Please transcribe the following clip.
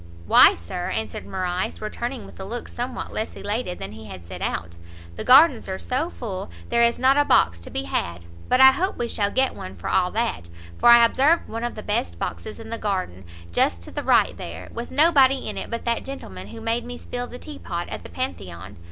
"Why Sir," answered Morrice, returning with a look somewhat less elated than he had set out, "the gardens are so full, there is not a box to be had; but I hope we shall get one for all that; for I observed one of the best boxes in the garden, just to the right there, with nobody in it but that gentleman who made me spill the tea pot at the Pantheon.